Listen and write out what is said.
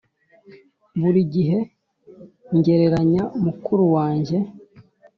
buri gihe ngereranya mukuru wanjye